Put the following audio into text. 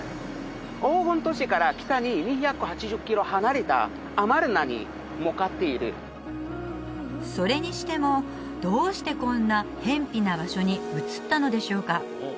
黄金都市から北にそれにしてもどうしてこんなへんぴな場所に移ったのでしょうか？